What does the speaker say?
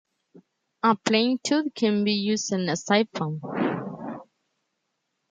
A plain tube can be used as a siphon.